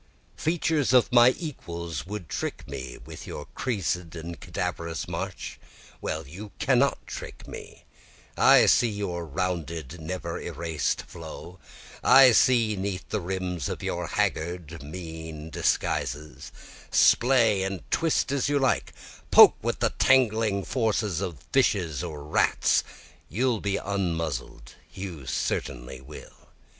3 Features of my equals would you trick me with your creas'd and cadaverous march? Well, you cannot trick me. I see your rounded never erased flow, I see 'neath the rims of your haggard and mean disguises. Splay and twist as you like, poke with the tangling fores of fishes or rats, You'll be unmuzzled, you certainly will.